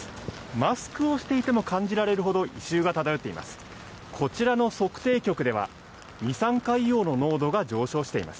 マスクをしてても感じられるほど異臭が漂っています。